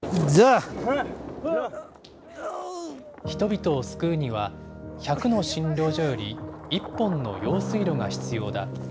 人々を救うには、１００の診療所より１本の用水路が必要だ。